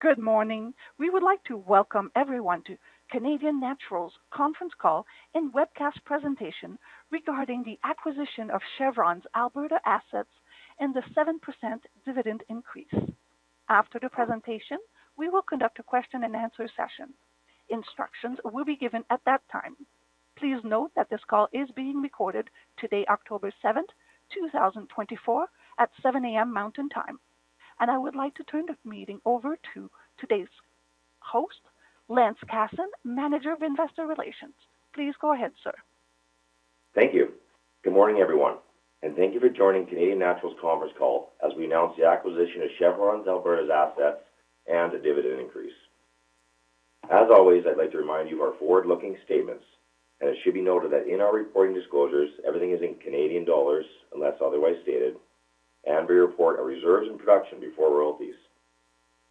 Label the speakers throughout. Speaker 1: Good morning. We would like to welcome everyone to Canadian Natural's conference call and webcast presentation regarding the acquisition of Chevron's Alberta assets and the 7% dividend increase. After the presentation, we will conduct a question and answer session. Instructions will be given at that time. Please note that this call is being recorded today, October 7th, 2024, at 7:00 A.M. Mountain Time, and I would like to turn the meeting over to today's host, Lance Casson, Manager of Investor Relations. Please go ahead, sir.
Speaker 2: Thank you. Good morning, everyone, and thank you for joining Canadian Natural's conference call as we announce the acquisition of Chevron's Alberta assets and a dividend increase. As always, I'd like to remind you of our forward-looking statements, and it should be noted that in our reporting disclosures, everything is in Canadian dollars unless otherwise stated, and we report our reserves and production before royalties.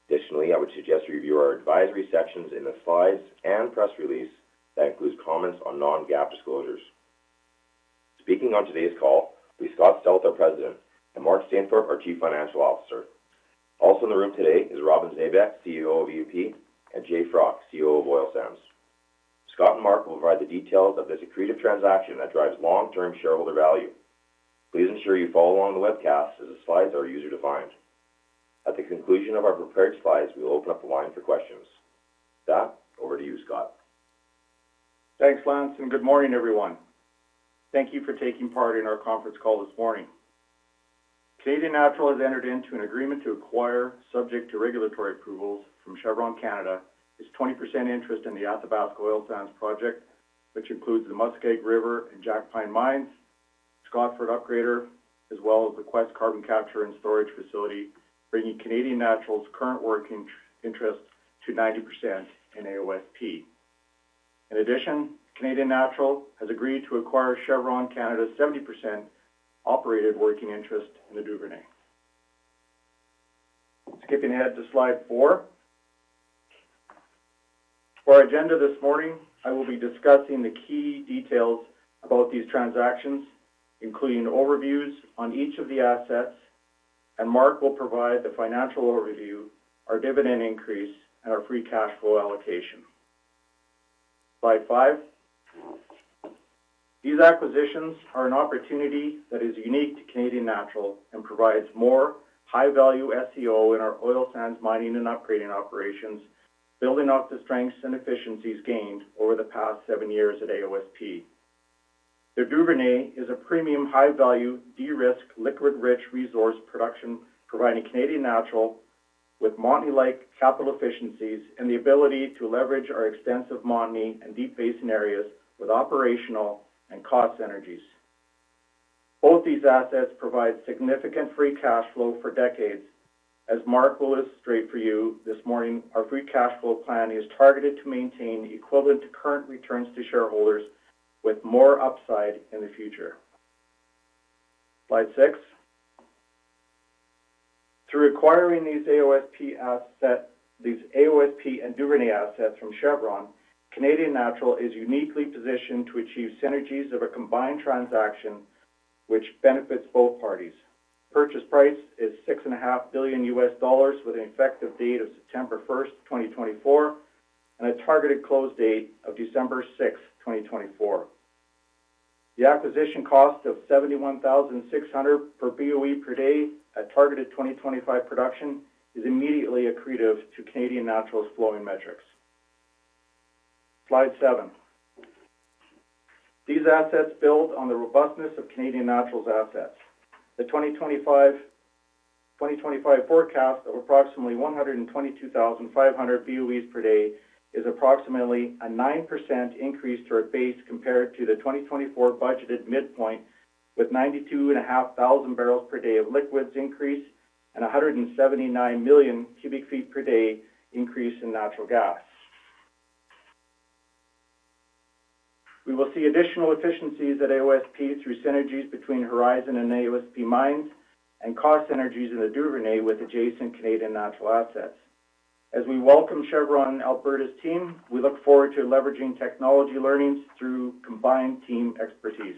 Speaker 2: Additionally, I would suggest you review our advisory sections in the slides and press release that includes comments on Non-GAAP disclosures. Speaking on today's call will be Scott Stauth, our President, and Mark Stainthorpe, our Chief Financial Officer. Also in the room today is Robin Zabek, CEO, E&P, and Jay Froc, CEO of Oil Sands. Scott and Mark will provide the details of this accretive transaction that drives long-term shareholder value. Please ensure you follow along the webcast as the slides are user-defined. At the conclusion of our prepared slides, we will open up the line for questions. Scott, over to you, Scott.
Speaker 3: Thanks, Lance, and good morning, everyone. Thank you for taking part in our conference call this morning. Canadian Natural has entered into an agreement to acquire, subject to regulatory approvals from Chevron Canada, its 20% interest in the Athabasca Oil Sands Project, which includes the Muskeg River and Jackpine mines, Scotford Upgrader, as well as the Quest Carbon Capture and Storage Facility, bringing Canadian Natural's current working interest to 90% in AOSP. In addition, Canadian Natural has agreed to acquire Chevron Canada's 70% operated working interest in the Duvernay. Skipping ahead to slide four. For our agenda this morning, I will be discussing the key details about these transactions, including overviews on each of the assets, and Mark will provide the financial overview, our dividend increase, and our free cash flow allocation. Slide five. These acquisitions are an opportunity that is unique to Canadian Natural and provides more high-value SCO in our oil sands, mining, and upgrading operations, building off the strengths and efficiencies gained over the past seven years at AOSP. The Duvernay is a premium, high-value, de-risked, liquid-rich resource production, providing Canadian Natural with Montney-like capital efficiencies and the ability to leverage our extensive Montney and Deep Basin areas with operational and cost synergies. Both these assets provide significant free cash flow for decades. As Mark will illustrate for you this morning, our free cash flow plan is targeted to maintain equivalent current returns to shareholders with more upside in the future. Slide six. Through acquiring these AOSP assets, these AOSP and Duvernay assets from Chevron, Canadian Natural is uniquely positioned to achieve synergies of a combined transaction which benefits both parties. Purchase price is $6.5 billion, with an effective date of September 1, 2024, and a targeted close date of December 6, 2024. The acquisition cost of 71,600 per BOE per day at targeted 2025 production is immediately accretive to Canadian Natural's flowing metrics. Slide seven. These assets build on the robustness of Canadian Natural's assets. The 2025, 2025 forecast of approximately 122,500 BOEs per day is approximately a 9% increase to our base compared to the 2024 budgeted midpoint, with 92,500 barrels per day of liquids increase and 179 million cubic feet per day increase in natural gas. We will see additional efficiencies at AOSP through synergies between Horizon and AOSP mines and cost synergies in the Duvernay with adjacent Canadian Natural assets. As we welcome Chevron and Alberta's team, we look forward to leveraging technology learnings through combined team expertise.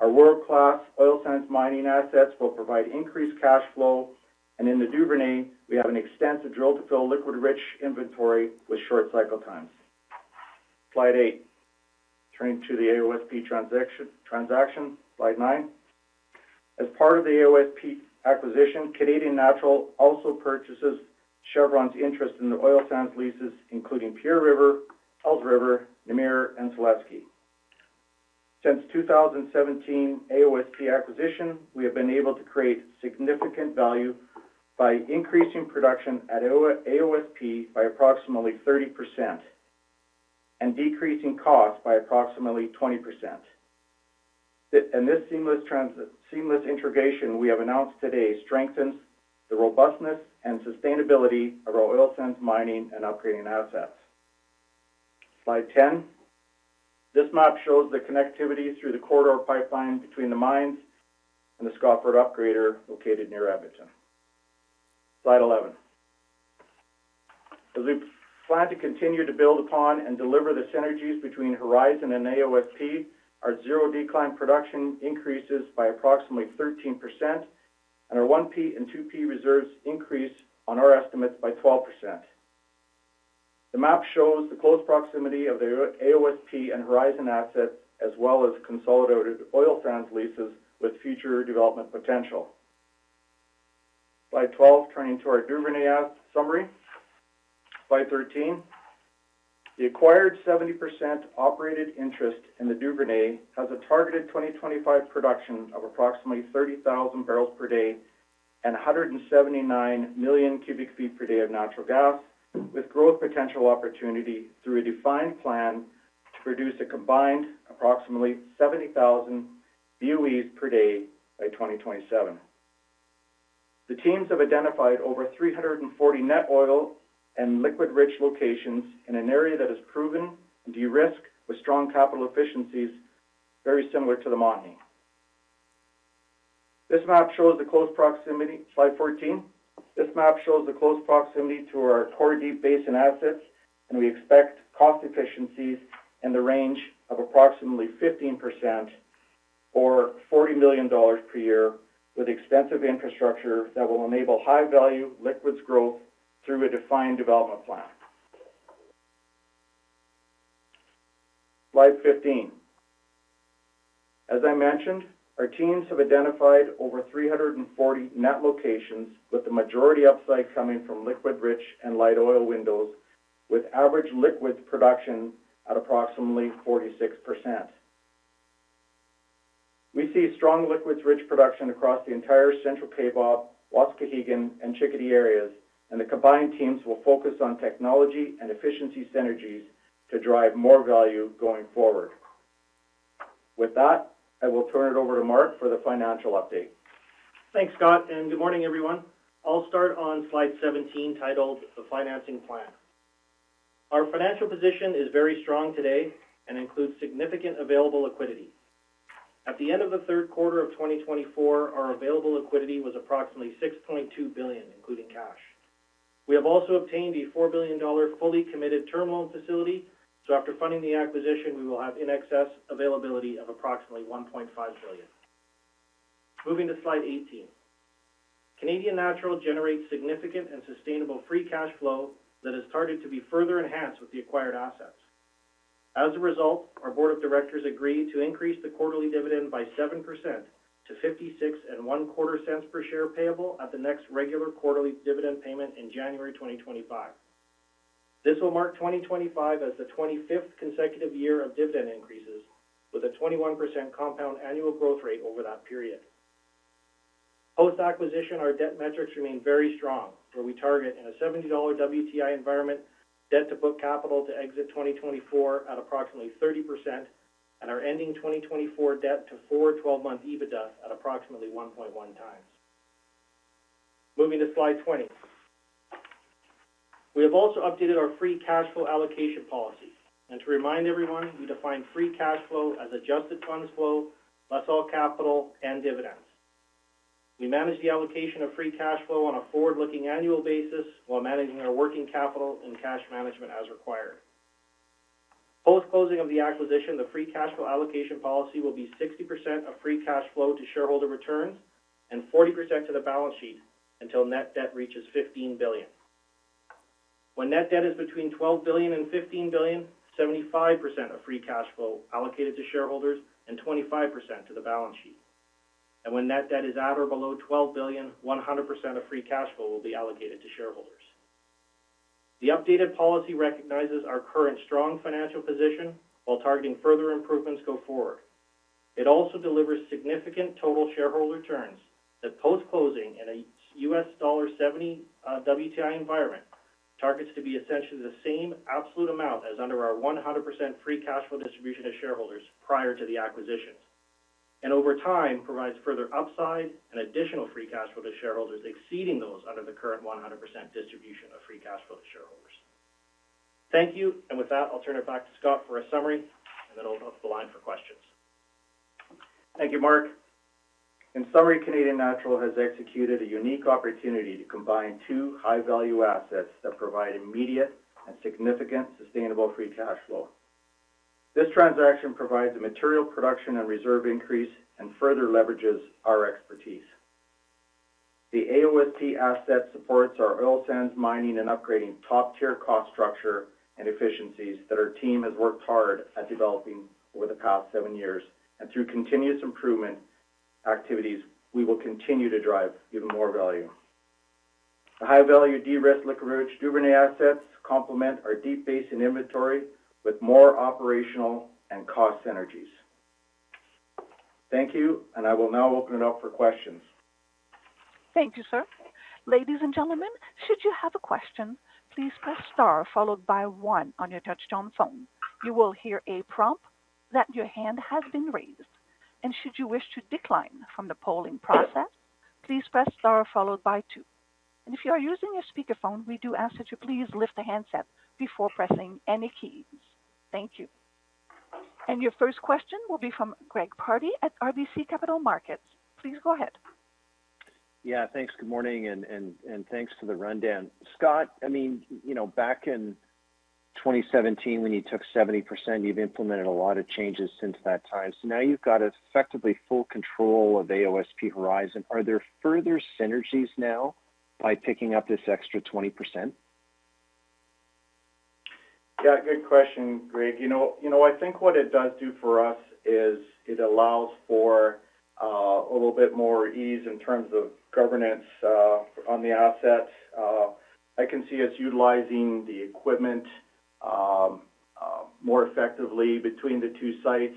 Speaker 3: Our world-class oil sands mining assets will provide increased cash flow, and in the Duvernay, we have an extensive drill-to-fill liquid-rich inventory with short cycle times. Slide eight. Turning to the AOSP transaction. Slide nine. As part of the AOSP acquisition, Canadian Natural also purchases Chevron's interest in the oil sands leases, including Pierre River, Ells River, Namur, and Saleski. Since 2017 AOSP acquisition, we have been able to create significant value by increasing production at AOSP by approximately 30% and decreasing costs by approximately 20%. This seamless integration we have announced today strengthens the robustness and sustainability of our oil sands, mining, and upgrading assets. Slide 10. This map shows the connectivity through the Corridor Pipeline between the mines and the Scotford Upgrader, located near Edmonton. Slide 11. As we plan to continue to build upon and deliver the synergies between Horizon and AOSP, our zero decline production increases by approximately 13%, and our 1P and 2P reserves increase on our estimates by 12%. The map shows the close proximity of the AOSP and Horizon assets, as well as consolidated oil sands leases with future development potential. Slide 12, turning to our Duvernay asset summary. Slide 13, the acquired 70% operated interest in the Duvernay has a targeted 2025 production of approximately 30,000 barrels per day and 179 million cu ft per day of natural gas, with growth potential opportunity through a defined plan to produce a combined approximately 70,000 BOEs per day by 2027. The teams have identified over 340 net oil and liquid-rich locations in an area that is proven and de-risked, with strong capital efficiencies, very similar to the Montney. This map shows the close proximity. Slide 14. This map shows the close proximity to our core deep basin assets, and we expect cost efficiencies in the range of approximately 15% or 40 million dollars per year, with extensive infrastructure that will enable high-value liquids growth through a defined development plan. Slide 15. As I mentioned, our teams have identified over three hundred and forty net locations, with the majority upside coming from liquid-rich and light oil windows, with average liquid production at approximately 46%. We see strong liquids rich production across the entire Central Kaybob, Waskahegan, and Chickadee areas, and the combined teams will focus on technology and efficiency synergies to drive more value going forward. With that, I will turn it over to Mark for the financial update.
Speaker 4: Thanks, Scott, and good morning, everyone. I'll start on slide 17, titled The Financing Plan. Our financial position is very strong today and includes significant available liquidity. At the end of the third quarter of 2024, our available liquidity was approximately 6.2 billion, including cash. We have also obtained a 4 billion dollar fully committed term loan facility, so after funding the acquisition, we will have in excess availability of approximately 1.5 billion. Moving to slide 18. Canadian Natural generates significant and sustainable free cash flow that is targeted to be further enhanced with the acquired assets. As a result, our board of directors agreed to increase the quarterly dividend by 7% to 0.5625 per share, payable at the next regular quarterly dividend payment in January 2025. This will mark 2025 as the 25th consecutive year of dividend increases, with a 21% compound annual growth rate over that period. Post-acquisition, our debt metrics remain very strong, where we target in a $70 WTI environment, debt to book capital to exit 2024 at approximately 30% and our ending 2024 debt to forward twelve-month EBITDA at approximately 1.1 times. Moving to slide 20. We have also updated our free cash flow allocation policy. To remind everyone, we define free cash flow as adjusted funds flow, less all capital and dividends. We manage the allocation of free cash flow on a forward-looking annual basis while managing our working capital and cash management as required. Post-closing of the acquisition, the free cash flow allocation policy will be 60% of free cash flow to shareholder returns and 40% to the balance sheet until net debt reaches $15 billion. When net debt is between $12 billion and $15 billion, 75% of free cash flow allocated to shareholders and 25% to the balance sheet, and when net debt is at or below $12 billion, 100% of free cash flow will be allocated to shareholders. The updated policy recognizes our current strong financial position while targeting further improvements go forward. It also delivers significant total shareholder returns that, post-closing in a $70 WTI environment, targets to be essentially the same absolute amount as under our 100% free cash flow distribution to shareholders prior to the acquisitions. And over time, provides further upside and additional free cash flow to shareholders, exceeding those under the current 100% distribution of free cash flow to shareholders. Thank you. And with that, I'll turn it back to Scott for a summary, and then open up the line for questions.
Speaker 3: Thank you, Mark. In summary, Canadian Natural has executed a unique opportunity to combine two high-value assets that provide immediate and significant sustainable free cash flow. This transaction provides a material production and reserve increase and further leverages our expertise. The AOSP asset supports our oil sands mining and upgrading top-tier cost structure and efficiencies that our team has worked hard at developing over the past seven years, and through continuous improvement activities, we will continue to drive even more value. The high-value, de-risked, liquid-rich Duvernay assets complement our deep basin inventory with more operational and cost synergies. Thank you, and I will now open it up for questions.
Speaker 1: Thank you, sir. Ladies and gentlemen, should you have a question, please press star followed by one on your touchtone phone. You will hear a prompt that your hand has been raised, and should you wish to decline from the polling process, please press star followed by two. And if you are using your speakerphone, we do ask that you please lift the handset before pressing any keys. Thank you. Your first question will be from Greg Pardy at RBC Capital Markets. Please go ahead.
Speaker 5: Yeah, thanks. Good morning, and thanks for the rundown. Scott, I mean, you know, back in 2017, when you took 70%, you've implemented a lot of changes since that time. So now you've got effectively full control of AOSP Horizon. Are there further synergies now by picking up this extra 20%?
Speaker 3: Yeah, good question, Greg. You know, I think what it does do for us is it allows for a little bit more ease in terms of governance on the assets. I can see us utilizing the equipment more effectively between the two sites,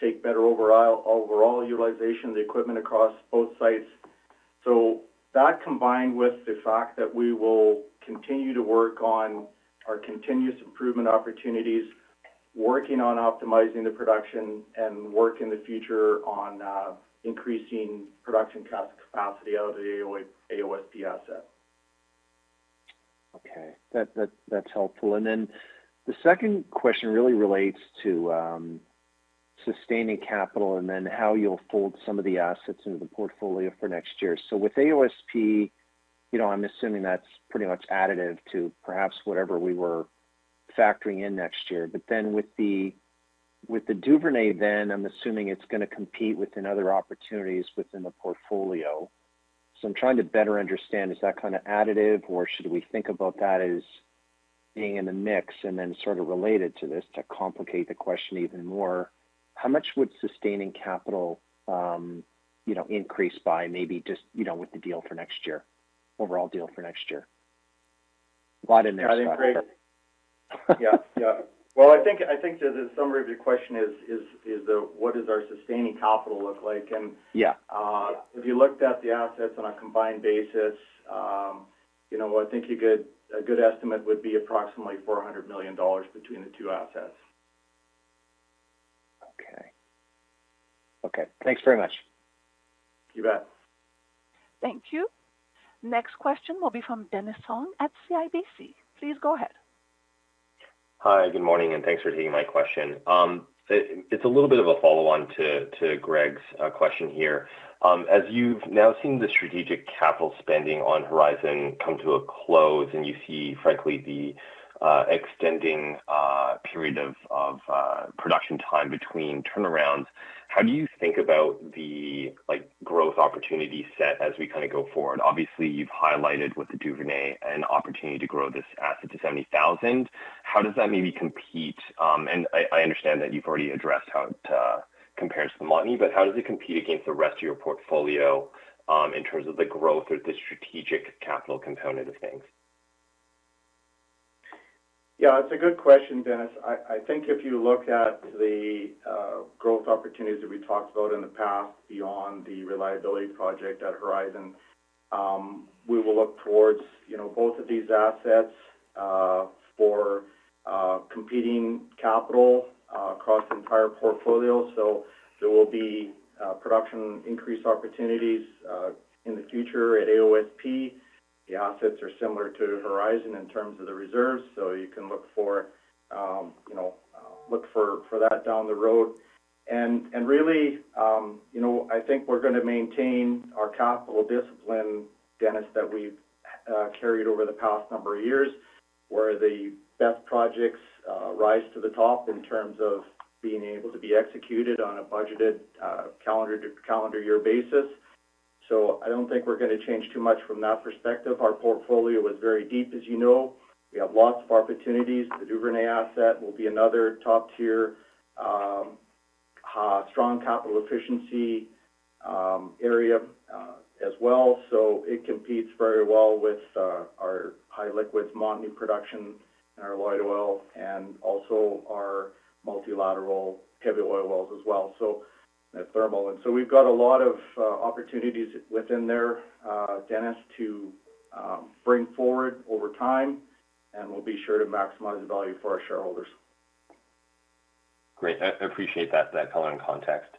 Speaker 3: take better overall utilization of the equipment across both sites. So that, combined with the fact that we will continue to work on our continuous improvement opportunities, working on optimizing the production, and work in the future on increasing production cost capacity out of the AOSP asset.
Speaker 5: Okay. That, that's helpful. And then the second question really relates to sustaining capital and then how you'll fold some of the assets into the portfolio for next year. So with AOSP, you know, I'm assuming that's pretty much additive to perhaps whatever we were factoring in next year. But then with the Duvernay, I'm assuming it's gonna compete with other opportunities within the portfolio. So I'm trying to better understand, is that kind of additive, or should we think about that as being in the mix? And then sort of related to this, to complicate the question even more, how much would sustaining capital, you know, increase by maybe just with the deal for next year, overall deal for next year? A lot in there, Scott.
Speaker 3: Yeah. Well, I think the summary of your question is what does our sustaining capital look like?
Speaker 5: Yeah.
Speaker 3: If you looked at the assets on a combined basis, you know, I think a good estimate would be approximately 400 million dollars between the two assets.
Speaker 5: Okay. Okay, thanks very much.
Speaker 3: You bet.
Speaker 1: Thank you. Next question will be from Dennis Fong at CIBC. Please go ahead.
Speaker 6: Hi, good morning, and thanks for taking my question. It's a little bit of a follow-on to Greg's question here. As you've now seen the strategic capital spending on Horizon come to a close, and you see, frankly, the extending period of production time between turnarounds, how do you think about the, like, growth opportunity set as we kind of go forward? Obviously, you've highlighted with the Duvernay an opportunity to grow this asset to seventy thousand. How does that maybe compete? And I understand that you've already addressed how it compares to Montney, but how does it compete against the rest of your portfolio in terms of the growth or the strategic capital component of things?
Speaker 3: Yeah, it's a good question, Dennis. I think if you look at the growth opportunities that we talked about in the past, beyond the reliability project at Horizon, we will look towards, you know, both of these assets for competing capital across the entire portfolio. So there will be production increase opportunities in the future at AOSP. The assets are similar to Horizon in terms of the reserves, so you can look for, you know, that down the road. And really, you know, I think we're gonna maintain our capital discipline, Dennis, that we've carried over the past number of years, where the best projects rise to the top in terms of being able to be executed on a budgeted calendar year basis. So I don't think we're gonna change too much from that perspective. Our portfolio is very deep, as you know. We have lots of opportunities. The Duvernay asset will be another top-tier, strong capital efficiency, area, as well. So it competes very well with, our high-liquids Montney production and our Lloyd well, and also our multilateral heavy oil wells as well, so, and thermal. And so we've got a lot of, opportunities within there, Dennis, to, bring forward over time, and we'll be sure to maximize the value for our shareholders.
Speaker 6: Great. I appreciate that color and context.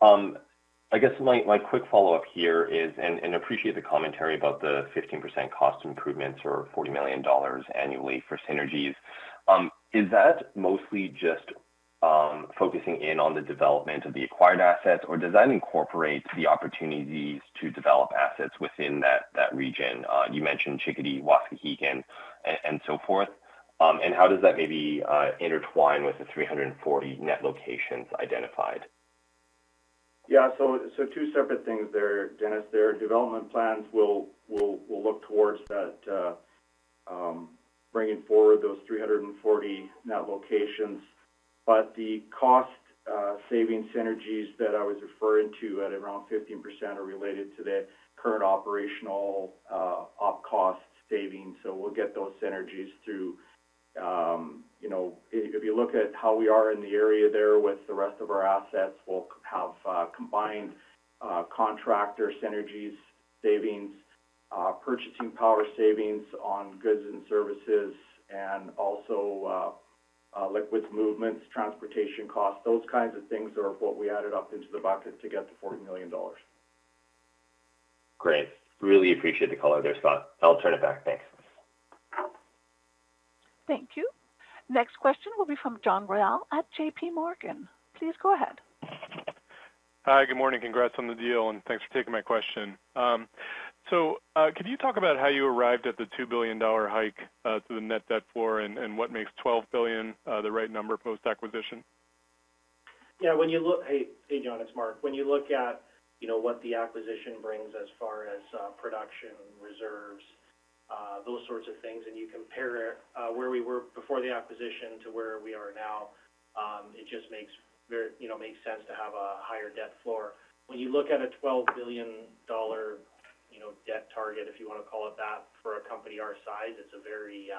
Speaker 6: I guess my quick follow-up here is and appreciate the commentary about the 15% cost improvements or 40 million dollars annually for synergies. Is that mostly just focusing in on the development of the acquired assets, or does that incorporate the opportunities to develop assets within that region? You mentioned Chickadee, Waskahegan, and so forth, and how does that maybe intertwine with the 340 net locations identified?
Speaker 3: Yeah. So two separate things there, Dennis. Their development plans will look towards that, bringing forward those three hundred and forty net locations. But the cost saving synergies that I was referring to at around 15% are related to the current operational op cost savings. So we'll get those synergies through. You know, if you look at how we are in the area there with the rest of our assets, we'll have combined contractor synergies, savings, purchasing power savings on goods and services, and also liquids movements, transportation costs. Those kinds of things are what we added up into the bucket to get to 40 million dollars.
Speaker 6: Great. Really appreciate the color there, Scott. I'll turn it back. Thanks.
Speaker 1: Thank you. Next question will be from John Royall at J.P. Morgan. Please go ahead.
Speaker 7: Hi, good morning. Congrats on the deal, and thanks for taking my question. So, could you talk about how you arrived at the 2 billion dollar hike to the net debt floor and what makes 12 billion the right number post-acquisition?
Speaker 4: Hey, hey, John, it's Mark. When you look at, you know, what the acquisition brings as far as production reserves, those sorts of things, and you compare where we were before the acquisition to where we are now, it just makes very, you know, makes sense to have a higher debt floor. When you look at a 12 billion dollar, you know, debt target, if you want to call it that, for a company our size, it's a very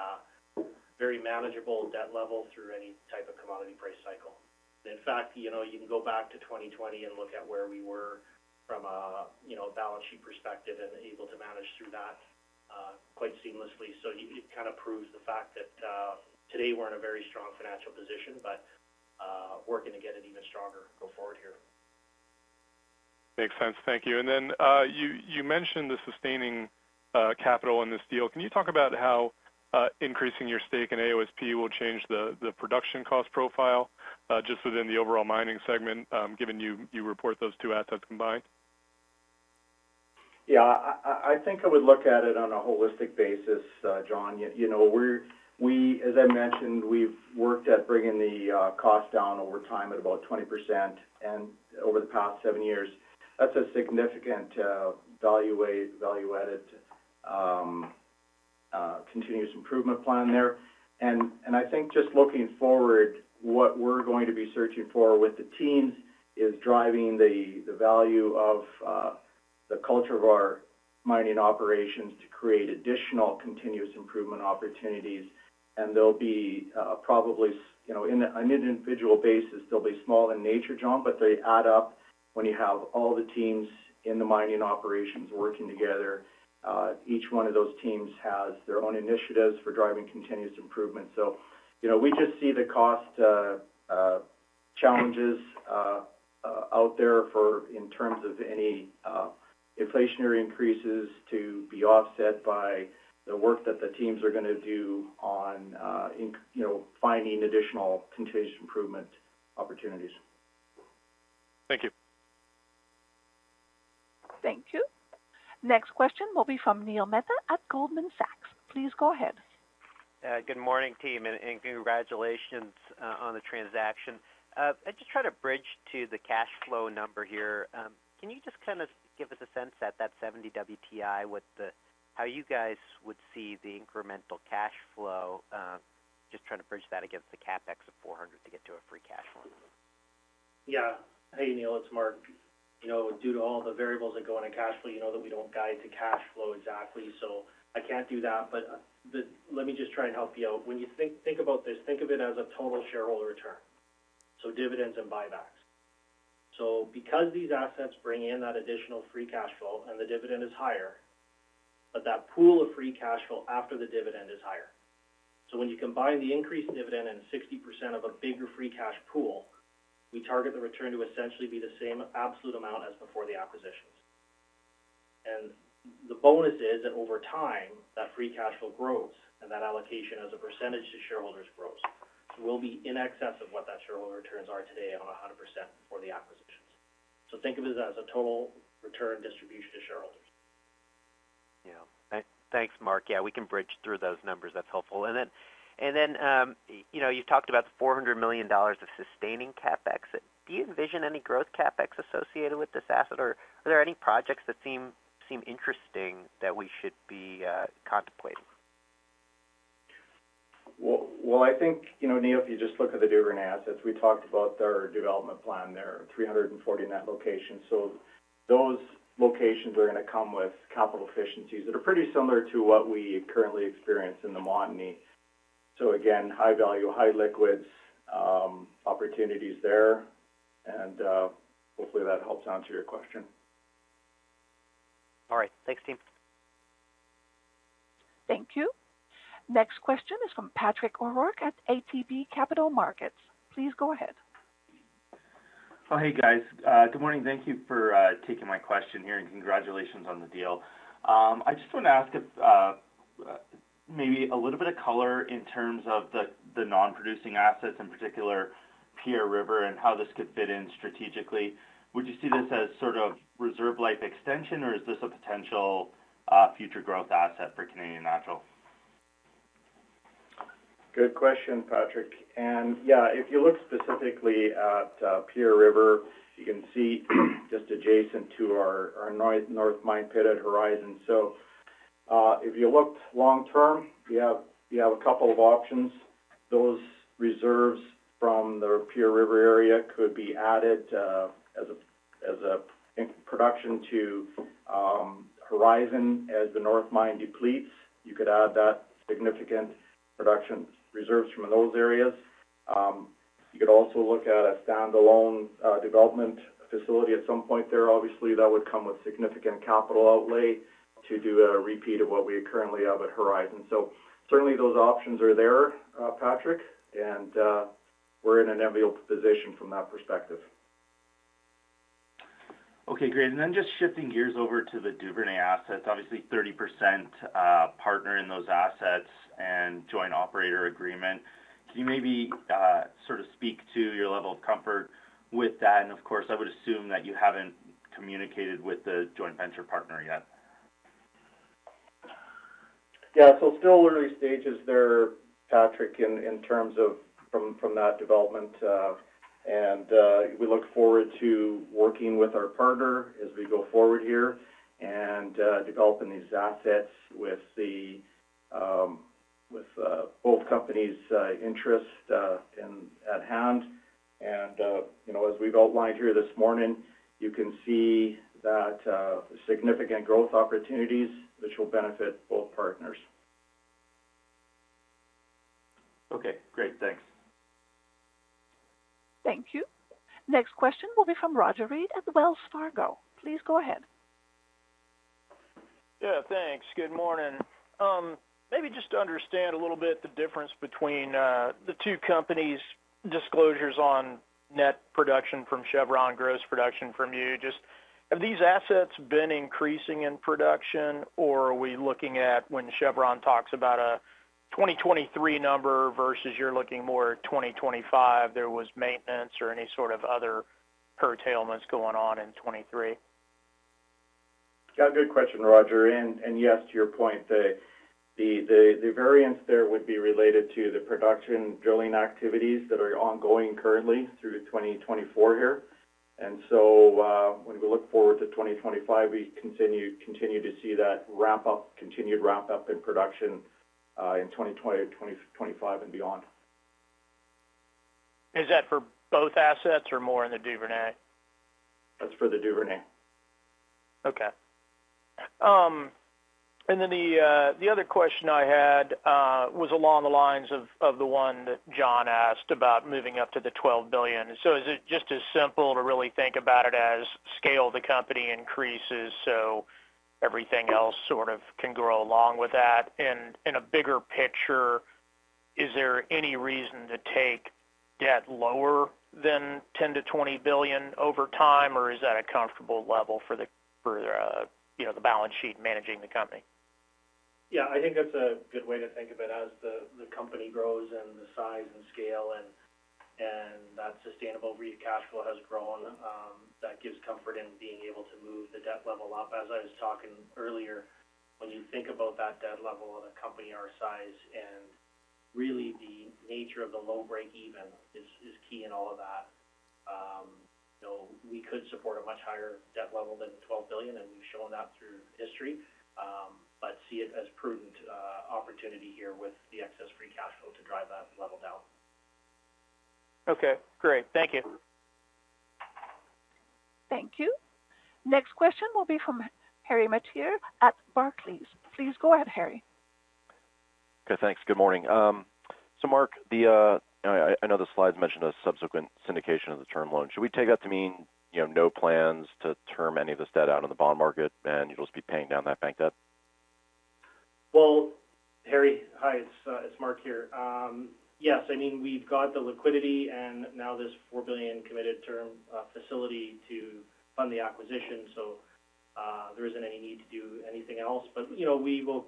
Speaker 4: very manageable debt level through any type of commodity price cycle. In fact, you know, you can go back to 2020 and look at where we were from a, you know, balance sheet perspective and able to manage through that quite seamlessly. So it kind of proves the fact that today we're in a very strong financial position, but we're going to get it even stronger go forward here.
Speaker 7: Makes sense. Thank you. And then, you mentioned the sustaining capital in this deal. Can you talk about how increasing your stake in AOSP will change the production cost profile just within the overall mining segment, given you report those two assets combined?
Speaker 3: Yeah, I think I would look at it on a holistic basis, John. You know, we're, as I mentioned, we've worked at bringing the cost down over time at about 20% and over the past seven years. That's a significant value add, value added continuous improvement plan there. And I think just looking forward, what we're going to be searching for with the teams is driving the value of the culture of our mining operations to create additional continuous improvement opportunities. And they'll be probably, you know, in an individual basis, they'll be small in nature, John, but they add up when you have all the teams in the mining operations working together. Each one of those teams has their own initiatives for driving continuous improvement. So, you know, we just see the cost challenges out there, in terms of any inflationary increases to be offset by the work that the teams are gonna do on, you know, finding additional continuous improvement opportunities.
Speaker 7: Thank you.
Speaker 1: Thank you. Next question will be from Neil Mehta at Goldman Sachs. Please go ahead.
Speaker 8: Good morning, team, and congratulations on the transaction. I just try to bridge to the cash flow number here. Can you just kind of give us a sense at $70 WTI, what the, how you guys would see the incremental cash flow? Just trying to bridge that against the CapEx of 400 to get to a free cash flow.
Speaker 4: Yeah. Hey, Neil, it's Mark. You know, due to all the variables that go into cash flow, you know that we don't guide to cash flow exactly, so I can't do that. But let me just try and help you out. When you think, think about this, think of it as a total shareholder return, so dividends and buybacks. So because these assets bring in that additional free cash flow and the dividend is higher, but that pool of free cash flow after the dividend is higher. So when you combine the increased dividend and 60% of a bigger free cash pool, we target the return to essentially be the same absolute amount as before the acquisitions. The bonus is that over time, that free cash flow grows, and that allocation as a percentage to shareholders grows, will be in excess of what that shareholder returns are today on a 100% for the acquisitions. Think of it as a total return distribution to shareholders.
Speaker 8: Yeah. Thanks, Mark. Yeah, we can bridge through those numbers. That's helpful. And then, you know, you talked about the 400 million dollars of sustaining CapEx. Do you envision any growth CapEx associated with this asset, or are there any projects that seem interesting that we should be contemplating?
Speaker 3: Well, I think, you know, Neil, if you just look at the Duvernay assets, we talked about their development plan there, 340 in that location. So those locations are gonna come with capital efficiencies that are pretty similar to what we currently experience in the Montney. So again, high value, high liquids, opportunities there, and, hopefully, that helps answer your question.
Speaker 8: All right. Thanks, team.
Speaker 1: Thank you. Next question is from Patrick O'Rourke at ATB Capital Markets. Please go ahead.
Speaker 9: Oh, hey, guys. Good morning. Thank you for taking my question here, and congratulations on the deal. I just want to ask if maybe a little bit of color in terms of the non-producing assets, in particular, Pierre River, and how this could fit in strategically. Would you see this as sort of reserve life extension, or is this a potential future growth asset for Canadian Natural?
Speaker 3: Good question, Patrick. Yeah, if you look specifically at Pierre River, you can see just adjacent to our North mine pit at Horizon. If you looked long term, you have a couple of options. Those reserves from the Pierre River area could be added as a production to Horizon as the North mine depletes. You could add that significant production reserves from those areas. You could also look at a standalone development facility at some point there. Obviously, that would come with significant capital outlay to do a repeat of what we currently have at Horizon. Certainly those options are there, Patrick, and we're in an enviable position from that perspective.
Speaker 9: Okay, great. And then just shifting gears over to the Duvernay assets. Obviously, 30% partner in those assets and joint operator agreement. Can you maybe, sort of speak to your level of comfort with that? And of course, I would assume that you haven't communicated with the joint venture partner yet.
Speaker 3: Yeah. So still early stages there, Patrick, in terms of from that development, and we look forward to working with our partner as we go forward here and developing these assets with the, with both companies' interest in at hand. And you know, as we've outlined here this morning, you can see that significant growth opportunities, which will benefit both partners.
Speaker 9: Okay, great. Thanks.
Speaker 1: Thank you. Next question will be from Roger Read at Wells Fargo. Please go ahead.
Speaker 10: Yeah, thanks. Good morning. Maybe just to understand a little bit the difference between, the two companies' disclosures on net production from Chevron, gross production from you. Just, have these assets been increasing in production, or are we looking at when Chevron talks about a 2023 number versus you're looking more at 2025, there was maintenance or any sort of other curtailments going on in 2023?
Speaker 3: Yeah, good question, Roger, and yes, to your point, the variance there would be related to the production drilling activities that are ongoing currently through 2024 here. And so, when we look forward to 2025, we continue to see that continued ramp up in production in 2025 and beyond.
Speaker 10: Is that for both assets or more in the Duvernay?
Speaker 3: That's for the Duvernay.
Speaker 10: Okay. And then the other question I had was along the lines of the one that John asked about moving up to the 12 billion. So is it just as simple to really think about it as scale of the company increases, so everything else sort of can grow along with that? And in a bigger picture, is there any reason to take debt lower than 10-20 billion over time, or is that a comfortable level for the, for, you know, the balance sheet managing the company?
Speaker 4: Yeah, I think that's a good way to think of it. As the company grows and the size and scale and that sustainable free cash flow has grown, that gives comfort in being able to move the debt level up. As I was talking earlier, when you think about that debt level of a company our size, and really the nature of the low break-even is key in all of that. So we could support a much higher debt level than 12 billion, and we've shown that through history, but see it as prudent opportunity here with the excess free cash flow to drive that level down.
Speaker 10: Okay, great. Thank you.
Speaker 1: Thank you. Next question will be from Harry Mateer at Barclays. Please go ahead, Harry.
Speaker 11: Okay, thanks. Good morning. So Mark, I know the slides mentioned a subsequent syndication of the term loan. Should we take that to mean, you know, no plans to term any of this debt out in the bond market, and you'll just be paying down that bank debt?
Speaker 4: Harry. Hi, it's Mark here. Yes, I mean, we've got the liquidity and now this 4 billion committed term facility to fund the acquisition, so there isn't any need to do anything else. But, you know, we will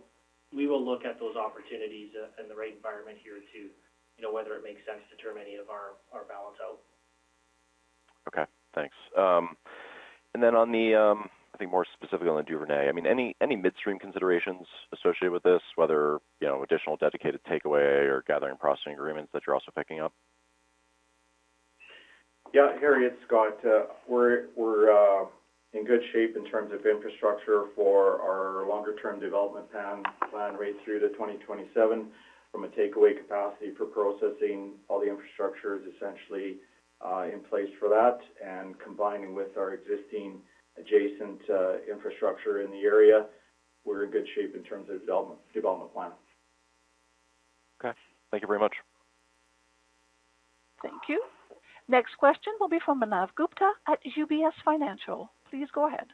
Speaker 4: look at those opportunities in the right environment here to, you know, whether it makes sense to term out any of our balance sheet.
Speaker 11: Okay, thanks. And then on the, I think more specifically on the Duvernay, I mean, any midstream considerations associated with this, whether, you know, additional dedicated takeaway or gathering processing agreements that you're also picking up?
Speaker 3: Yeah, Harry, it's Scott. We're in good shape in terms of infrastructure for our longer-term development plan right through to twenty twenty-seven from a takeaway capacity for processing. All the infrastructure is essentially in place for that, and combining with our existing adjacent infrastructure in the area, we're in good shape in terms of development plans.
Speaker 11: Okay. Thank you very much.
Speaker 1: Thank you. Next question will be from Manav Gupta at UBS. Please go ahead.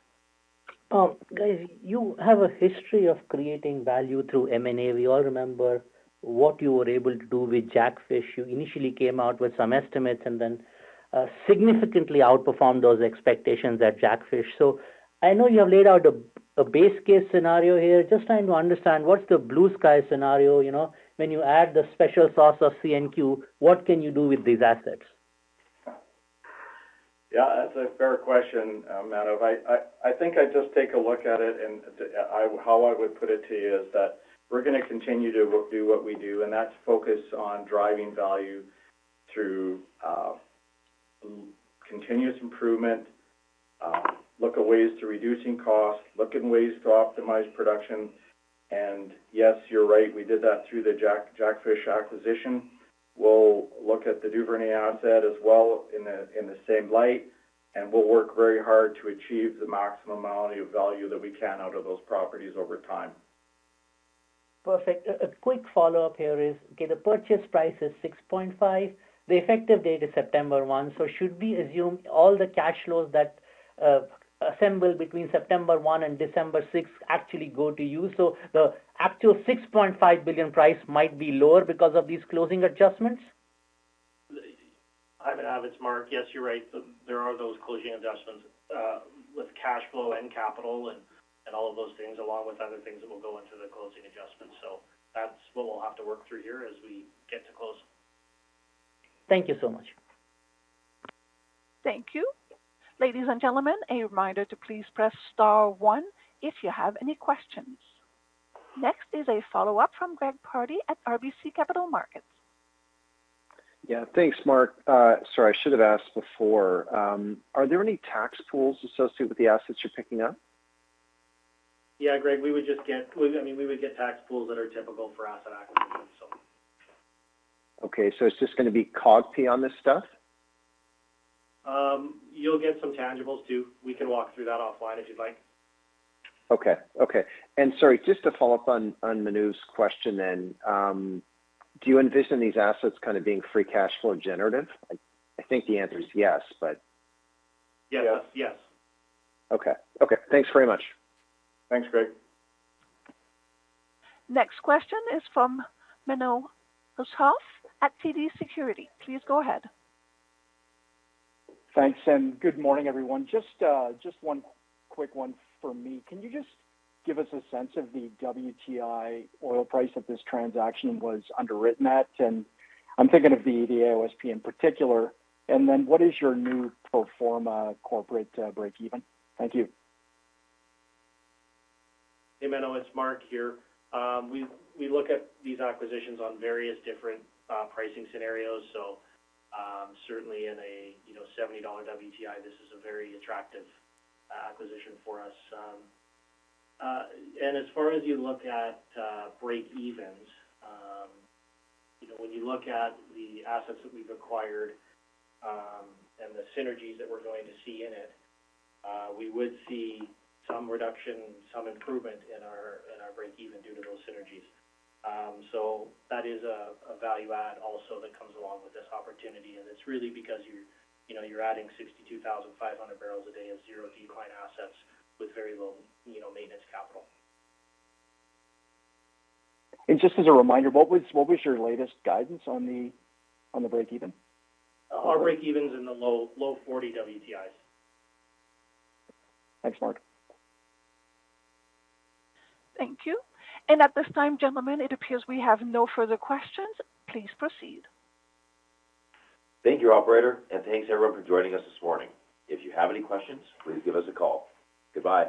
Speaker 12: Guys, you have a history of creating value through M&A. We all remember what you were able to do with Jackfish. You initially came out with some estimates and then significantly outperformed those expectations at Jackfish. So I know you have laid out a base case scenario here. Just trying to understand what's the blue-sky scenario, you know, when you add the special sauce of CNQ, what can you do with these assets?
Speaker 3: Yeah, that's a fair question, Manav. I think I'd just take a look at it, and how I would put it to you is that we're gonna continue to do what we do, and that's focus on driving value through continuous improvement, look at ways to reducing costs, looking ways to optimize production. And yes, you're right, we did that through the Jackfish acquisition. We'll look at the Duvernay asset as well in the same light, and we'll work very hard to achieve the maximum amount of value that we can out of those properties over time.
Speaker 12: Perfect. A quick follow-up here is. Okay, the purchase price is 6.5. The effective date is September 1. So should we assume all the cash flows that adjustments between September one and December sixth actually go to you? So the actual 6.5 billion price might be lower because of these closing adjustments?
Speaker 4: I mean, it's Mark. Yes, you're right. There are those closing adjustments with cash flow and capital and all of those things, along with other things that will go into the closing adjustments. So that's what we'll have to work through here as we get to close.
Speaker 12: Thank you so much.
Speaker 1: Thank you. Ladies and gentlemen, a reminder to please press star one if you have any questions. Next is a follow-up from Greg Pardy at RBC Capital Markets.
Speaker 5: Yeah, thanks, Mark. Sorry, I should have asked before. Are there any tax pools associated with the assets you're picking up?
Speaker 4: Yeah, Greg, we would just get, I mean, tax pools that are typical for asset acquisitions, so.
Speaker 5: Okay. So it's just gonna be COGPE on this stuff?
Speaker 4: You'll get some tangibles too. We can walk through that offline if you'd like.
Speaker 5: Okay. Okay. And sorry, just to follow up on Manu's question then, do you envision these assets kind of being free cash flow generative? I think the answer is yes, but...
Speaker 4: Yes. Yes.
Speaker 5: Okay. Okay, thanks very much.
Speaker 4: Thanks, Greg.
Speaker 1: Next question is from Menno Hulshof at TD Securities. Please go ahead.
Speaker 13: Thanks, and good morning, everyone. Just one quick one for me. Can you just give us a sense of the WTI oil price that this transaction was underwritten at? And I'm thinking of the AOSP in particular. And then what is your new pro forma corporate breakeven? Thank you.
Speaker 4: Hey, Mano, it's Mark here. We look at these acquisitions on various different pricing scenarios. So, certainly in a $70 WTI, this is a very attractive acquisition for us. And as far as you look at breakevens, you know, when you look at the assets that we've acquired, and the synergies that we're going to see in it, we would see some reduction, some improvement in our breakeven due to those synergies. So that is a value add also that comes along with this opportunity, and it's really because you're, you know, you're adding 62,500 barrels a day of zero decline assets with very little, you know, maintenance capital.
Speaker 13: Just as a reminder, what was your latest guidance on the breakeven?
Speaker 4: Our breakeven's in the low, low forty WTIs.
Speaker 13: Thanks, Mark.
Speaker 1: Thank you. And at this time, gentlemen, it appears we have no further questions. Please proceed.
Speaker 3: Thank you, operator, and thanks, everyone, for joining us this morning. If you have any questions, please give us a call. Goodbye.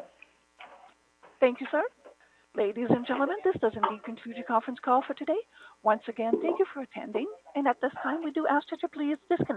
Speaker 1: Thank you, sir. Ladies and gentlemen, this does indeed conclude your conference call for today. Once again, thank you for attending, and at this time, we do ask you to please disconnect.